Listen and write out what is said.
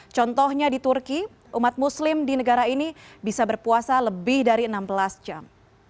contohnya di turki umat muslim di negara ini bisa berpuasa lebih dari enam belas jam